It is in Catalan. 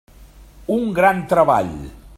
Un gran treball.